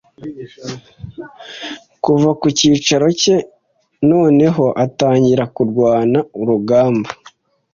Kuva ku cyicaro cye noneho atangira kurwana urugamba